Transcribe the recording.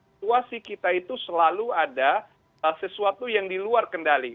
situasi kita itu selalu ada sesuatu yang diluar kendali